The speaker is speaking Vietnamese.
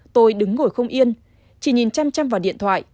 tôi đứng ngồi không yên chỉ nhìn chăm chăm vào điện thoại